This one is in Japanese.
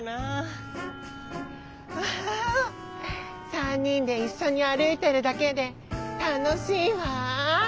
３にんでいっしょにあるいてるだけでたのしいわ！